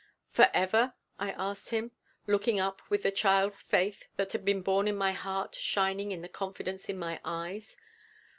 '" "Forever?" I asked him, looking up with the child's faith that had been born in my heart shining in the confidence in my eyes.